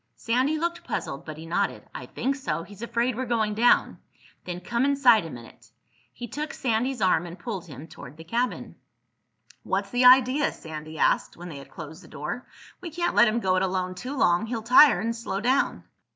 Sandy looked puzzled but he nodded. "I think so. He's afraid we're going down." "Then come inside a minute." He took Sandy's arm and pulled him toward the cabin. "What's the idea?" Sandy asked, when they had closed the door. "We can't let him go it alone too long. He'll tire and slow down."